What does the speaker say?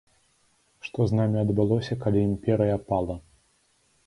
Што з намі адбылося, калі імперыя пала?